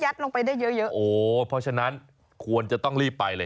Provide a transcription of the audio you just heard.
จะได้ยัดลงไปได้เยอะโอ้เพราะฉะนั้นควรจะต้องรีบไปเลย